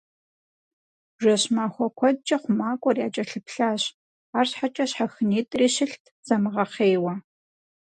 Жэщ-махуэ куэдкӏэ хъумакӏуэр якӏэлъыплъащ, арщхьэкӏэ щхьэхынитӏри щылът замыгъэхъейуэ.